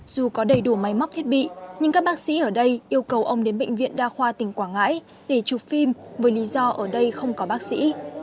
dù có đầy đủ máy móc thiết bị nhưng các bác sĩ ở đây yêu cầu ông đến bệnh viện đa khoa tỉnh quảng ngãi để chụp phim với lý do ở đây không có bác sĩ